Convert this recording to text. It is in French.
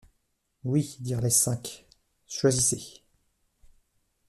Oui, dirent les cinq, choisissez.